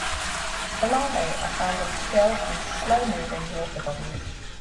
The larvae are found in still and slow-moving waterbodies.